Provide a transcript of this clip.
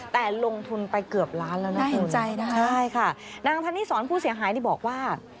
แต่ลงทุนไปเกือบล้านแล้วนะคุณใช่ค่ะนางธนิสรผู้เสียหายนี่บอกว่า